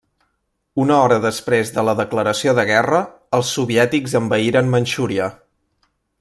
Una hora després de la declaració de guerra, els soviètics envaïren Manxúria.